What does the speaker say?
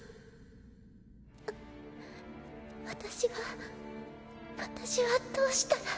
私は私はどうしたら？